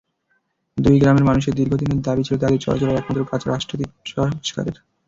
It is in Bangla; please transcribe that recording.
দুই গ্রামের মানুষের দীর্ঘদিনের দাবি ছিল তাঁদের চলাচলের একমাত্র কাঁচা রাস্তাটি সংস্কারের।